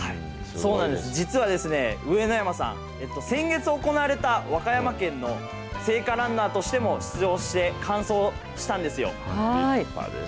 そうなんです、実は、上野山さん、先月行われた和歌山県の聖火ランナーとしても出場して、立派です。